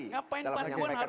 ngapain panduan harus dilakukan